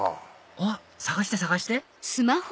あっ探して探して！